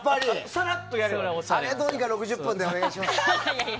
あれをどうにか６０分でお願いします。